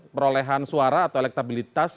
perolehan suara atau elektabilitas